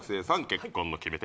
結婚の決め手